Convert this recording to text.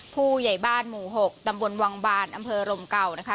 ผู้ใหญ่บ้านหมู่๖ตำบลวังบานอำเภอรมเก่านะคะ